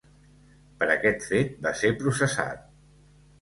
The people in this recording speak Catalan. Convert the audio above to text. Per aquest fet va ser processat.